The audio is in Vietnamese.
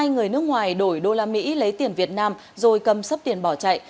hai người nước ngoài đổi đô la mỹ lấy tiền việt nam rồi cầm sắp tiền bỏ chạy